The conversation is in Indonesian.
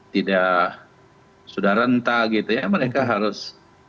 tidak sudah rentah gitu ya mereka harus